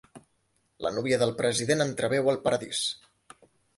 La núvia del president entreveu el paradís.